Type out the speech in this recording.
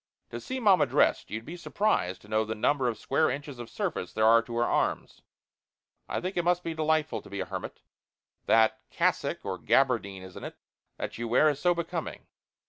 To see mamma dressed you'd be surprised to know the number of square inches of surface there are to her arms. I think it must be delightful to be a hermit. That cassock or gabardine, isn't it? that you wear is so becoming.